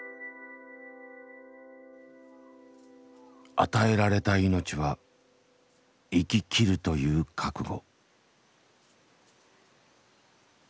与えられた命は生ききるという覚悟。